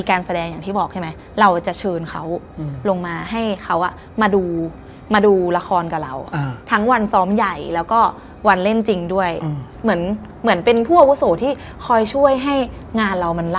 การป้องกันตัวเองของเราไปแล้ว